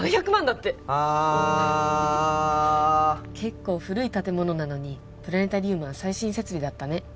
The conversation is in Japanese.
だってあ結構古い建物なのにプラネタリウムは最新設備だったね